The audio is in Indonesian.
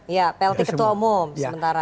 ya plt ketua umum sementara